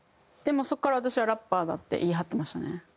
そこから私はラッパーだって言い張ってましたね。